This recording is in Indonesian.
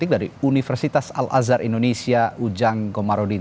ini adalah analisis dari universitas al azhar indonesia ujang komarudin